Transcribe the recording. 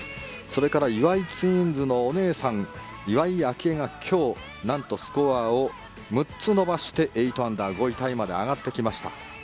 それから岩井ツインズのお姉さん岩井明愛が今日、なんとスコアを６つ伸ばして８アンダー５位タイまで上がってきました。